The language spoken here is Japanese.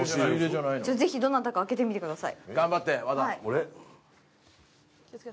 ぜひ、どなたか開けてみてください。